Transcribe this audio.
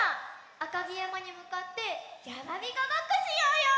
あかぎやまにむかってやまびこごっこしようよ！